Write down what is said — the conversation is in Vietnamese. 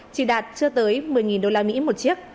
chỉ đạt chưa tới một mươi đô la mỹ một chiếc